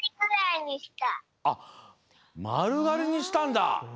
あっまるがりにしたんだ！